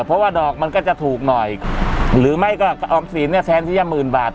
เพราะว่าดอกมันก็จะถูกหน่อยหรือไม่ก็ออมสินเนี่ยแทนที่จะหมื่นบาท